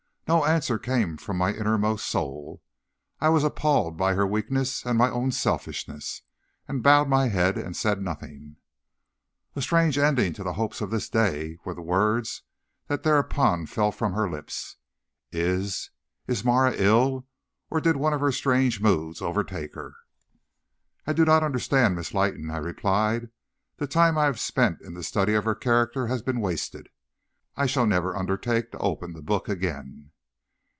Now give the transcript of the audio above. No answer came from my inmost soul. I was appalled by her weakness and my own selfishness, and bowed my head and said nothing. "'A strange ending to the hopes of this day,' were the words that thereupon fell from her lips. 'Is is Marah ill, or did one of her strange moods overtake her?' "'I do not understand Miss Leighton,' I replied. 'The time I have spent in the study of her character has been wasted. I shall never undertake to open the book again.'